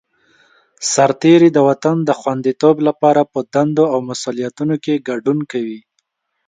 سرتېری د وطن د خوندیتوب لپاره په دندو او مسوولیتونو کې ګډون کوي.